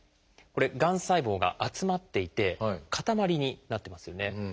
がん細胞が集まっていてかたまりになってますよね。